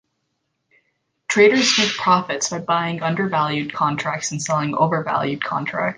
Traders make profits by buying undervalued contracts and selling overvalued contracts.